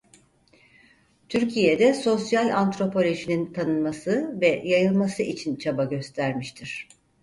Türkiye'de sosyal antropolojinin tanınması ve yayılması için çaba göstermiştir.